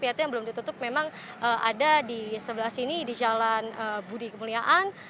yaitu yang belum ditutup memang ada di sebelah sini di jalan budi kemuliaan